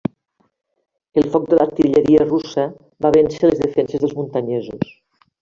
El foc de l'artilleria russa van vèncer les defenses dels muntanyesos.